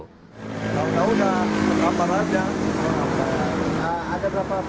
dengar suara tembakan tadi bang